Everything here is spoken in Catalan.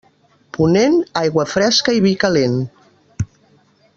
Ponent, aigua fresca i vi calent.